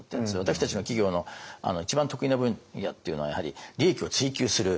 私たちの企業の一番得意な分野っていうのはやはり利益を追求する